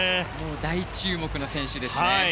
大注目の選手ですね。